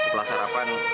om setelah sarapan